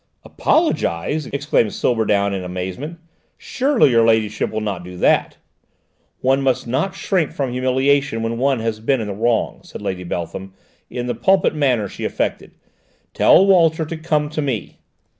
"Apologise?" exclaimed Silbertown in amazement. "Surely your ladyship will not do that?" "One must not shrink from humiliation when one has been in the wrong," said Lady Beltham, in the pulpit manner she affected. "Tell Walter to come to me."